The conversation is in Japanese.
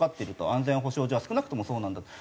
安全保障上は少なくともそうなんだと。